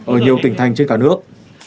ở nhiều tỉnh thành trên cả nước